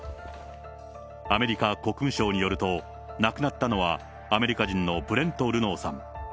アメリカ国務省によると、亡くなったのはアメリカ人のブレント・ルノーさん。